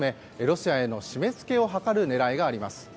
ロシアへの締め付けを図る狙いがあります。